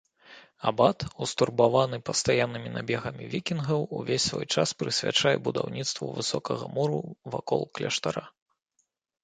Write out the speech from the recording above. Абат, устурбаваны пастаяннымі набегамі вікінгаў, увесь свой час прысвячае будаўніцтву высокага муру вакол кляштара.